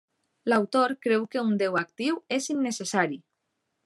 L’autor creu que un déu actiu és innecessari.